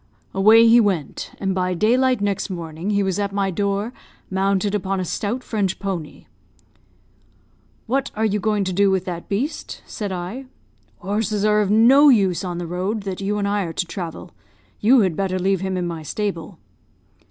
"Away he went; and by daylight next morning he was at my door, mounted upon a stout French pony. 'What are you going to do with that beast?' said I. 'Horses are of no use on the road that you and I are to travel. You had better leave him in my stable.'